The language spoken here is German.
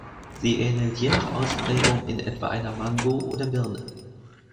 Sie ähnelt je nach Ausprägung in etwa einer Mango oder Birne.